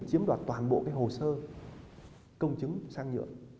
chiếm đoạt toàn bộ hồ sơ công chứng sang nhượng